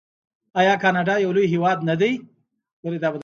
آیا کاناډا یو لوی هیواد نه دی؟